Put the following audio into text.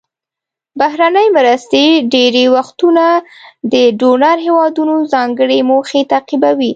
بهرنۍ مرستې ډیری وختونه د ډونر هیوادونو ځانګړې موخې تعقیبوي.